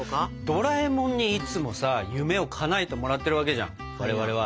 ドラえもんにいつもさ夢をかなえてもらってるわけじゃん我々は。